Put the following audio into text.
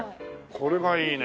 これがいいね。